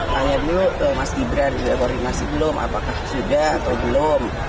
tanya dulu ke mas gibran sudah koordinasi belum apakah sudah atau belum